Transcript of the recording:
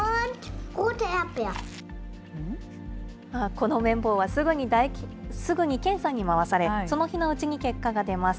この綿棒はすぐに検査に回され、その日のうちに結果が出ます。